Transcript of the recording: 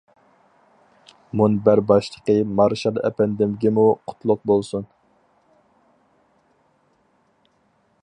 مۇنبەر باشلىقى مارشال ئەپەندىمگىمۇ قۇتلۇق بولسۇن.